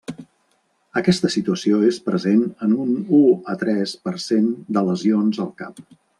Aquesta situació és present en un u a tres per cent de lesions al cap.